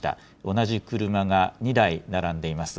同じ車が２台並んでいます。